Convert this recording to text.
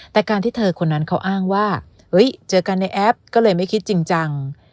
แต่การที่เธอคนนั้นเขาอ้างว่าเจอกันในแอปก็เลยไม่คิดจริงจัง